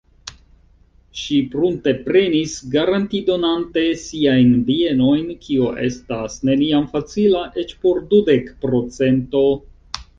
Ŝi prunteprenis garantidonante siajn bienojn, kio estas neniam facila eĉ por dudek pro cento.